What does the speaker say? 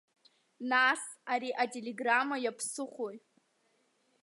Нас, ари ателеграмма иаԥсыхәои?